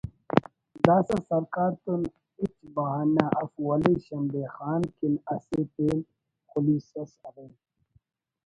داسہ سرکار تون ہچ بہانہ اف ولے شمبے خان کن اسہ پین خلیس اس ارے